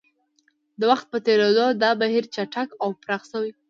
د وخت په تېرېدو دا بهیر چټک او پراخ شوی